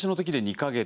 ２か月。